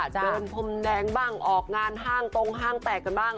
เดินพรมแดงบ้างออกงานห้างตรงห้างแตกกันบ้าง